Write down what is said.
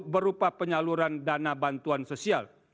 berupa penyaluran danabantuan sosial